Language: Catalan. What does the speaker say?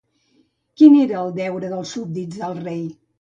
Quin era el deure dels súbdits del rei?